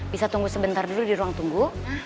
bisa tunggu sebentar dulu di ruang tunggu